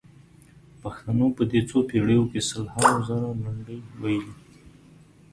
پښتنو په دې څو پېړیو کې سلهاوو زره لنډۍ ویلي.